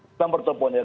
kita mertepun ya